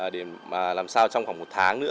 để làm sao trong khoảng một tháng nữa